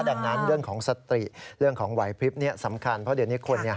ดังนั้นเรื่องของสติเรื่องของไหวพลิบนี้สำคัญเพราะเดี๋ยวนี้คน